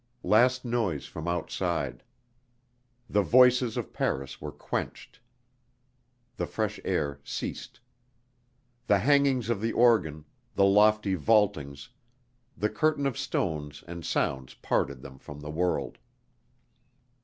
Last noise from outside. The voices of Paris were quenched. The fresh air ceased. The hangings of the organ, the lofty vaultings, the curtain of stones and sounds parted them from the world.